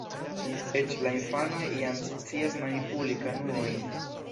Eĉ la infanoj jam scias manipuli kanuojn.